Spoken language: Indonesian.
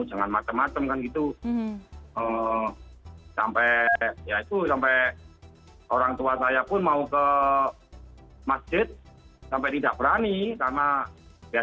saya mau ditabrak mobil itu pada saya bekerja itu mau tabrak mobil